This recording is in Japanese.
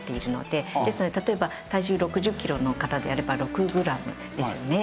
ですので例えば体重６０キロの方であれば６グラムですよね。